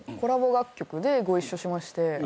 楽曲でご一緒しまして。